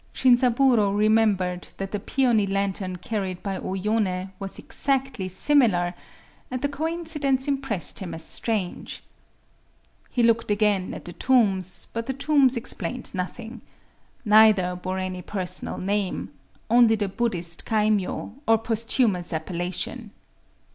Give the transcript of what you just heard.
Shinzaburō remembered that the peony lantern carried by O Yoné was exactly similar; and the coincidence impressed him as strange. He looked again at the tombs; but the tombs explained nothing. Neither bore any personal name,—only the Buddhist kaimyō, or posthumous appellation.